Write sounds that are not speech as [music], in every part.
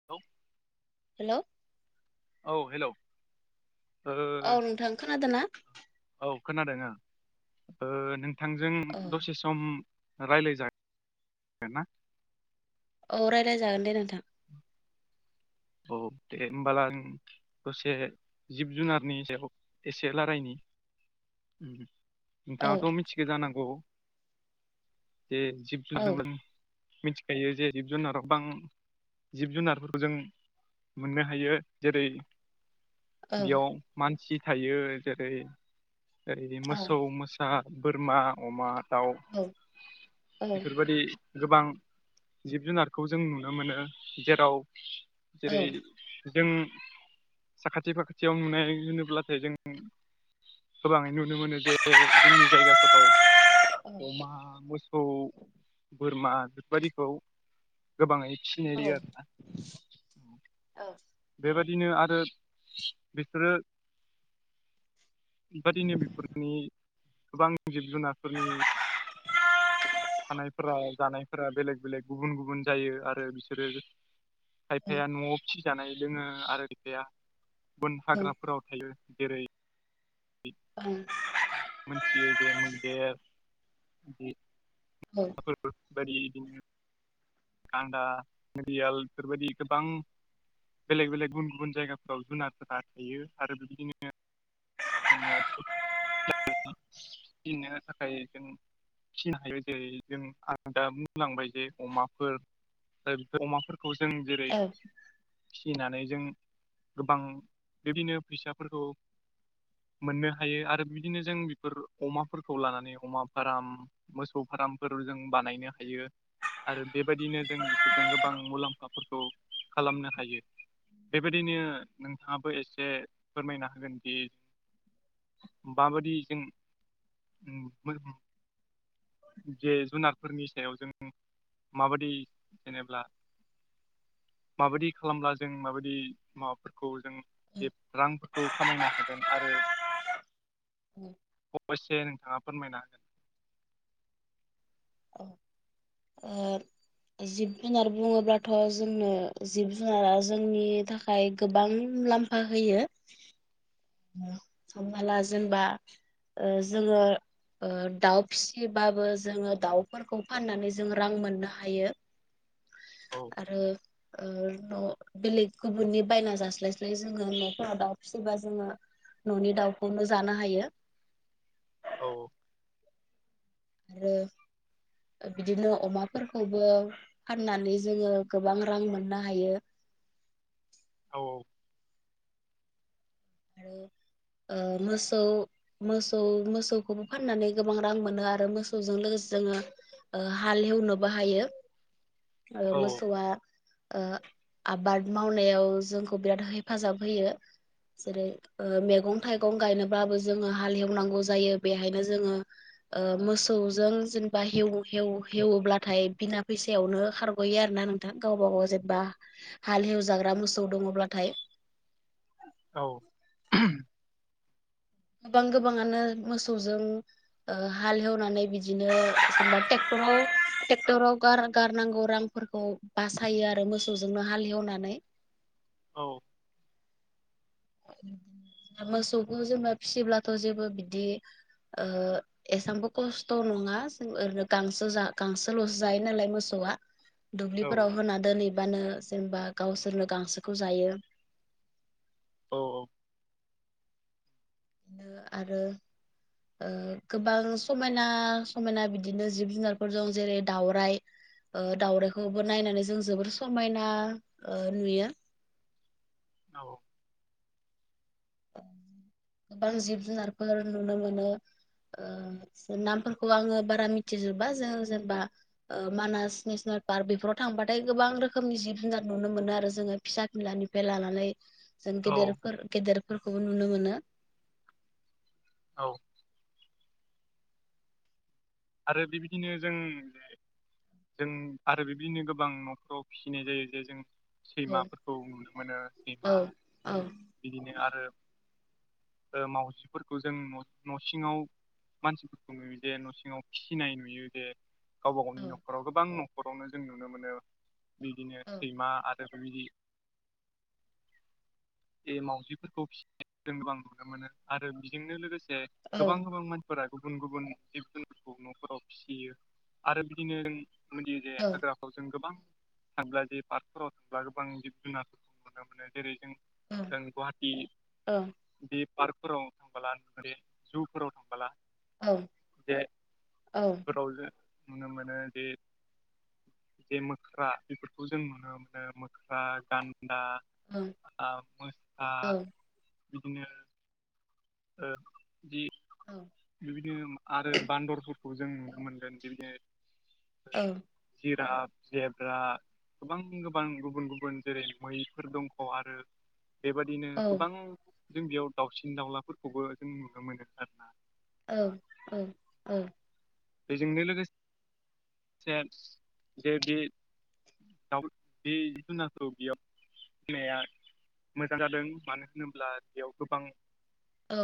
Hello hello औ hello ओ औ नोंथां खोनादों ना औ खोनादों ओ नोंथांजों औ दसे स सम रायज्लाय जायो आरोना औ रायलायजागोन दे नोंथां [inaudible] औ दे होनोमबालाय दसे जिब जुनारनि सायाव एसे रायलायनि उम औ नोंथाङाथ मिथिगौ जानांगौ जे जिब जु औ [unintelligible] मिथिखायो जे जिब जुनाराव बां जिब जुनारफोरजों मोननो हायो जेरै औ बियाव मानसि थायो जेरै ओरै मोसौ मोसा बोरमा अमा दाउ औ औ बेफोरबायदि गोबां जिब जुनारखौ जों नुनो मोनो जेराव औ जेरै जों साखाथि फाखाथियाव नुनाय होनोब्लाथाय जों गोबाङैनो नुनो मोनो जे जोंनि जायगाफोराव अमा मोसौ बोरमा बेफोरबायदिखौ गोबाङै फिनाय‌ आरोना औ बेबायदिनो आरो बिसोरो बेबदिनो बेफोरनि गोबां जिब जुनारफोरनि थानायफोरा जानायफोरा बेलेग बेलेग गुबुन गुबुन जायो आरो बिसोरो खायफाया न'आव फिसिजानाय दोङो आरो खायफाया बन हाग्राफोराव थायो जेरै [inaudible] ओं मिथियो जे मैदेर बिदि फोर बायदि इदिनो गान्दा गोरियाल बेफोरबायदि गोबां बेलेग बेलेग गुबुन गुबुन जायगाफोराव जुनारफोरा थायो आरो बेबायदिनो न'आवबो [unintelligible] फिनो थाखाय जों फिनो हायो जेरै जों आं दा बुंलांबाय जे अमा फोर अमाफोरखौ जों जेरै औ फिनानै जों गोबां बेदिनो फैसाफोरखौ मोननो हायो आरो बिदिनो जों बेफोर अमाफोरखौ लानानै अमा फार्म मोसौ फार्मफोर जों बानायनो हायो आरो बेबायदिनो जों बेफोरजों गोबां मुलाम्फाफोरखौ खालामनो हायो बेबायदिनो नोंथाङाबो एसे फोरमायना होगोनदि माबायदि जों जे जुनारफोरनि सायाव जों माबायदि जेनेबा माबायदि खालामब्ला जों माबायदि मा फोरखौ जों जे रांफोरखौ खामायनो हागोन आरो अबयसे नोंथाङा फोरमायनो हागोन। औ आरो जिब जुनार बुङोब्लाथ' जोंनो जिब जुनारा जोंनि थाखाय गोबां मुलामफा फाहैयो होमला जेनबा जोङो ओ दाउ फिसिबाबो जोङो दाउफोरखौ फाननानै जों रां मोननो हायो। औ आरो न बेलेग गुबुननि बायना जास्लायस्लाय जोङो न'फोरा दाउ फिबा जोङो न'नि दाउखौनो जानो हायो। औ आरो ओ बिदिनो अमाफोरखौबो फाननानै जोङो गोबां रां मोननो हायो। औ [inaudible] ओ मोसौ मोसौ मोसौखौबो फाननानै गोबां रां मोनो आरो मोसौजों लोगोसे जोङो ओ हालेवनोबो हायो औ मोसौआ ओ आबाद मावनायाव जोंखौ बिराद हेफाजाब होयो। ओ जेरै मैगं थाइगं गायनोब्लाबो जोङो हाल एेवनांगौ जायो बेहायनो जोङो ओ मोसौजों जेनेबा हेव हेव हेव्लाथाय बिना फैसायावनो खारग'यो आर ना नों गावबा गाव जेबा हाल हेवजाग्रा मोसौ दङब्लाथाय औ गोबां गोबाङानो मोसौजों ओ हालेवनानै बिदिनो एखमबा ट्रेक्टराव ट्रेक्टरावार गारनांगौ रांफोरखौ बासायो आरो मोसौजोंनो हालेवनानै। औ मोसौखौ जोबा फिसिब्लाथ' जेबो बिदि ओ एसेबांबो खस्थ' नङा जों ओरैनो गांसो गांसोल'सो जायो नालाय मोसौआ। दुब्लिफोराव होना दोनहैबानो जेनेबा गावसोरनो गांसोखौ जायो। औ औ बिदिनो आरो ओ गोबां समायना समायना बिदिनो जिब जुनारफोर दं जेरै दावराइ। ओ दाउरायाइखौबो नायनानै जों जोबोर समायना ओ नुयो। औ [inaudible] गोबां जिब जुनारफोर नुनो मोनो। ओ नामफोरखौ आङो बारा मिथिजोबा जों जेनेबा ओ मानास नेसनेल पार्क बेफोराव थांबाथाय गोबां रोखोमनि जिब जुनार नुनो मोनो आरो जोङो। फिसा खिलानिफ्राय लानानै जों औ गेदेरफोर गेदेरफोरखौबो नुनो मोनो। औ आरो बेबायदिनो जों जों आरो बिबदिनो गोबां न'फोरराव फिसिनाय जायो जे जों औ सैमाफोरखौ नुनो मोनो औ सैमा औ बिदिनो आरो ओ मावजिफोरखौ जों न' सिङाव मानसिफोरखौ नुयो जे न' सिङाव फिनाय नुयो जे गावबा औ गावनि न'खराव गोबां न'खरावनो जों नुनो मोनो। बिदिनो सैमा आरो बिदि बे मावजिफोरखौ फिसिनाय जों गोबां नुनो मोनो आरो बेजोंनो लोगोसे औ गोबां गोबां मानसिफोरा गुबुन गुबुन जिब जुन न'फोराव फिसियो आरो बिदिनो मदियो जे औ हाग्रा जों गोबां थांब्ला जे पार्कफोराव थांब्ला गोबां जिब जुनारफोरखौ नुनो मोनो जेरै जों गुवाहाटि औ बे पार्कफोराव थांबोला जुफोराव थांबोला औ जे औ फोराव ज नुनो मोनो जे जे मोख्रा बेफोरखौ जों नुनो मोनो मोख्रा गान्दा औ मोसा औ बिदिनो जि औ बिबायदिनो आरो बान्दरफोरखौ जों नुनो मोनगोन बिबायदिनो औ जिरप जेब्रा गोबां गोबां गुबुन गुबुन जेरै मैफोर दङ आरो बेबादिनो गोबां औ जों बेयाव दाउसिन दाउलाफोरखौबो जों नुनो मोनो आरो ना औ औ औ बेजोंनो लोगोसे जे बे दाउ बे जि जुनारखौ बेयाव होननाया मोजां जादों मानो होनोब्ला बेयाव गोबां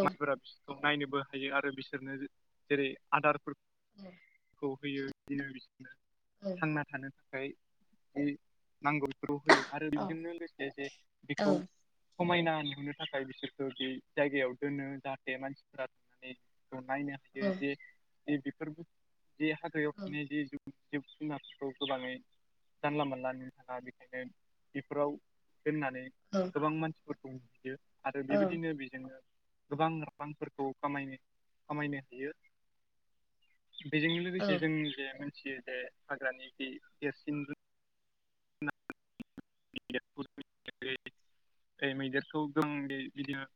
मानसिफोरा बिसोरखौ नायनोबो हायो आरो बिसोरनो जेरै आदार [inaudible] होयो बिदिनो बिसोरनो थांना थानो थाखाय जि नांगौ ग' होयो आरो बेजोंनो लोगोसे जे बेखौ समायना नुहोननो थाखाय बिसोरखौो बे जायगायाव दोनो जाहाथे मानसिफोरा थांनानै नायनो हायो जे जे बेफोर जे हागायाव थनाय जि जिब जुनारफोरखौ गोबाङै जानला मोनानला नुनो थाङा बेखायनो बेफोराव दोननानै औ गोबां मानसिफोरखौ नयो आरो बेबायदिनो बेजोंनो गोबां रफांफोरखौ खामायनो खामायनो हायो बेजों लोगोसे जों जे मोनथियो जे हाग्रानि जि देरसिन [unintelligible] ओफ्राय मैदेरखौ गं बिदिनो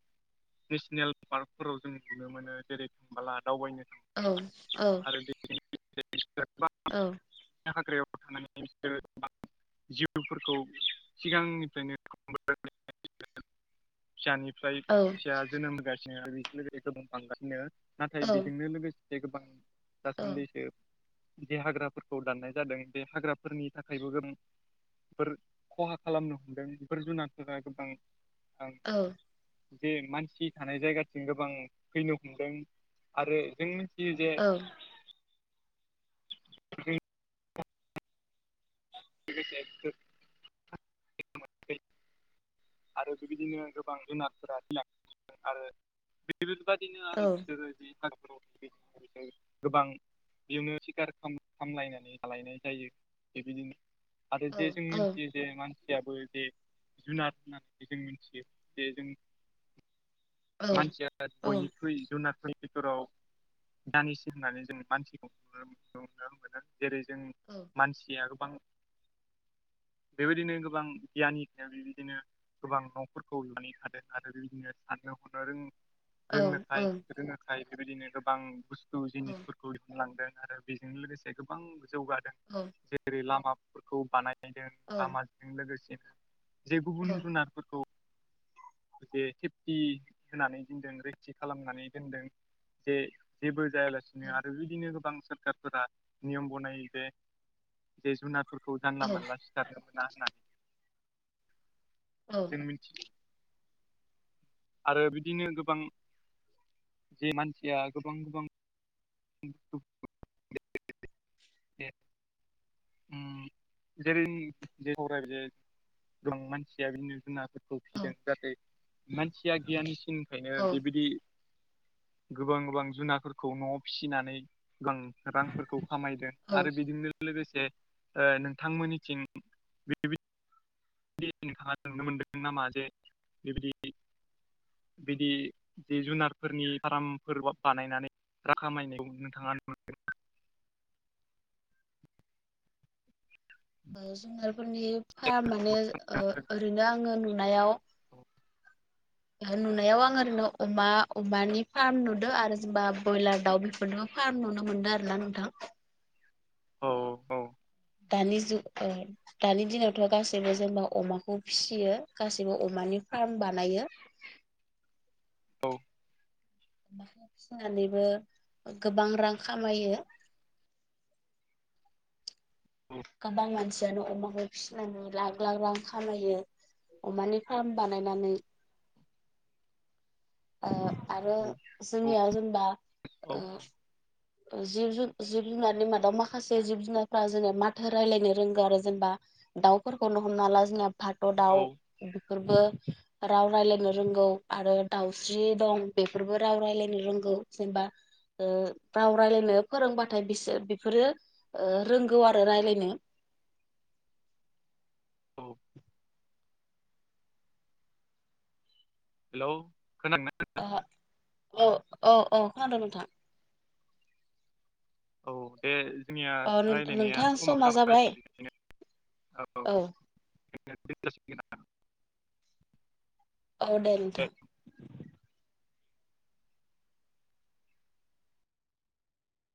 नेसनेल पार्कफोराव जों नुनो मोनो जेरै थांबोला दावबायनो थां औ औ आरो बे [unintelligible] औ हाग्रायाव थांनानै बिसोरो जिउफोरखौ सिगांनिफ्रायनो फिसानिफ्राय औ फिसा जोनोम होगासिनो बेजों लोगोसे गोबां बांगासिनो नाथाय औ बेजोंनो लोगोसे गोबां औ दासान्दिसो जे हाग्राफोरखौ दाननाय जादों बे हाग्राफोरनि थाखायबो गोबांफोर खहा खालामनो हमदों बेफोर जुनाद गोबां आं औ जे मानसि थानाय जायगाथिं गोबां फैनो हमदों आरो जों मिथियो जे दा द [unintelligible] बे आरो बेबायदिनो गोबां जुनारफोरा लांदों आरो बेफोरबायदिनो औ आरो बिसोरो बेदि बि गोबां बेयावनो सिखार खालाम लायनानै लायनाय जायो बेबायदिनो आरो औ जे जों मिथियो जे मान मानसियाबो जे जुनार होननानै जों मिथियो जे जों औ मानसिया औ बयनिख्रुइ जुनार [unintelligible] बेफोराव दानिस होननानै जों मानसिखौ नुनो मोनो। जेरै जों औ मानसिया गोबां बेबायदिनो गोबां गियाननि थाखाय बेबायदिनो गोबां न'फोरखौ लुनानै हादों आरो बिदिनो साननो औ औ रोंनोखाय औ रोंङोखाय बेबायदिनो गोबां बुस्थु गो जिनिसफोरखौ दिहुन लांदों आरो बेजों लोगोसे गोबां जौगादों। औ जेरै लामाफोरखौ बानायदों लामाजों लोगोसेनो जेरै गुबुन जुनारफोरखौ जे थेफि होनानै दोनदों रैथि खालामनानै दोनदों। जे जेबो जायालासिनो आरो बिदिनो गोबां सोरखारफोरा नियम बनायो जे बे जुनार फोरखौ जानला मोनानला सिथारनो मोना होननानै जों मिथियो। आरो बिदिनो गोबां जे मानसिया गोबां गोबां [unintelligible] जेरै जेराय बे गोबां मानसिया बिनो जुनारफोरखौ दों जाहाथे मानसिया गियानि सिननिफ्रायनो औ बेबायदि गोबां गोबां जुनारफोरखौ न'आव फिसिनानै गोबां रांफोरखौ खामायदों आरो बिदिनो लोगोसे ओ नोंथांमोननिथिं बेदि बि नोंथाङा नुनो मोनदों नामा जे बेबायदि बिदि जि जुनारफोरनि फार्मफोर बानायनानै रा खामायनायाव नोंथाङा नुगोन। ओ जुनारफोरनि फार्म माने ओ ओरैनो आङो नुनायाव नुनायाव आं ओरैनो अमा अमानि फार्म नुदों आरो जेनेबा ब्रयलार दाउ बेफोरनो फारम नुनो मोनदों आरोना नोंथां। औ औ दानि जुग दानि दिनावथ' गासैबो जेनेबा अमाखौ फिसियो गासैबो अमानि फार्म बानायो। औ बा फिसिनानैबो गोबां रां खामायो। औ गोबां मानसियानो अमाखौ फिसिनानै लाख लाख रां खामायो। अमानि फार्म बानायनानै ओ आरो औ औ जोंनिया जेनेबा औ ओ जिब ज जिब जुनारनि मादाव माखासे जिब जुनारफ्रा जेने माथो राय्लायनो रोंगौ आरो जेनेबा दाउफोरखौनो हमना ला जोंना फाथ' औ दाउ बेफोरबो राव राय्लायनो रोंगौ आरो दाउस्रि दं बेफोरबो राव राय्लायनो रोंगौ जेनेबा ओ राव रायलायनो फोरोंबाथाय बिसोर बेफोरो ओ रोंगौ आरो रायलायनो। औ हेलौ खोनादों ना? औ औ औ खोनादों नोंथां। औ दे जोंनिया औ रायलायनाया नोंथां समाबो समा जाबाय। बेनिखायनो औ [unintelligible] औ दे नोंथां।